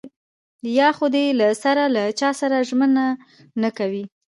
يا خو دې له سره له چاسره ژمنه نه کوي.